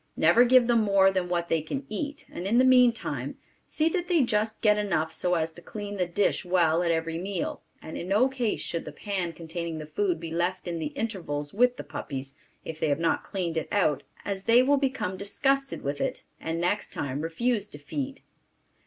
Never give them more than what they can eat, and in the meantime see that they just get enough so as to clean the dish well at every meal and in no case should the pan containing the food be left in the intervals with the puppies if they have not cleaned it out as they will become disgusted with it and next time refuse to feed.